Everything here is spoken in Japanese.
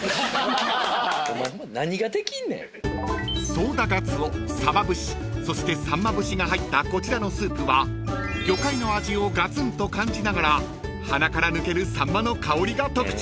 ［そうだ鰹さば節そしてさんま節が入ったこちらのスープは魚介の味をガツンと感じながら鼻から抜けるさんまの香りが特徴］